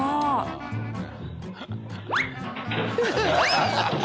ハハハハ！